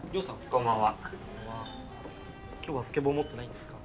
こんばんはこんばんは今日はスケボー持ってないんですか？